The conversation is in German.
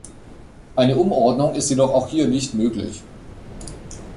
Eine Umordnung ist jedoch auch hier nicht möglich.